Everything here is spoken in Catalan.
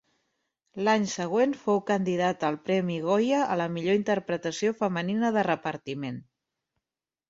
L'any següent fou candidata al Premi Goya a la millor interpretació femenina de repartiment.